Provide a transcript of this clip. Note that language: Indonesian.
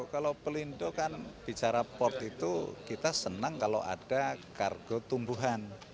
kalau pelindo kan bicara port itu kita senang kalau ada kargo tumbuhan